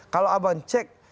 kalau abang cek